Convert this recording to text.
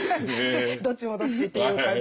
どっちもどっちっていう感じ。